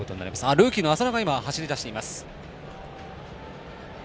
ルーキーの浅野が走り出しています。